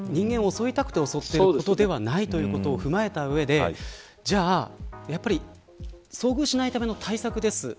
襲いたくて襲っているわけではないということを踏まえた上で遭遇しないための対策です。